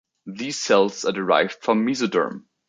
These cells are derived from mesoderm.